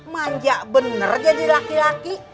manja benar jadi laki laki